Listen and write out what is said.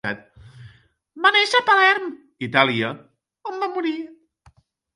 Va néixer a Palerm (Itàlia), on va morir.